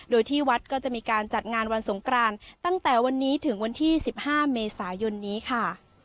โดยที่วัดก็จะมีการจัดงานวันสงกรานตั้งแต่วันนี้ถึงวันที่๑๕เมษายนนี้ค่ะ